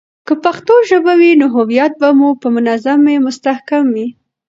که پښتو ژبه وي، نو هویت به مو په منځ مي مستحکم وي.